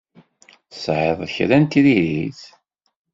Tesɛiḍ kra n tiririt?